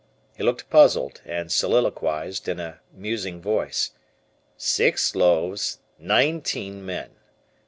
He looked puzzled and soliloquized in a musing voice: "Six loaves, nineteen men.